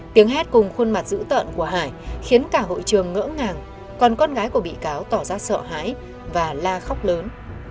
tiếng hét cùng khuôn mặt dữ tợn của hải khiến cả hội trường ngỡ ngàng con con gái của bị cáo tỏ ra sợ hãi và la khóc lớn